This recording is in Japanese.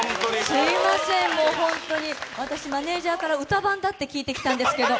すみません私、マネージャーから歌番だって聞いてきたんですけど